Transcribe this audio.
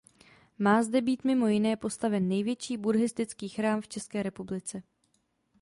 Má zde být mimo jiné postaven největší buddhistický chrám v České republice.